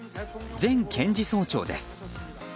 前検事総長です。